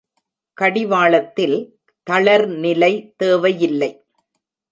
கடிவாளத்தில் தளர்நிலை தேவையில்லை.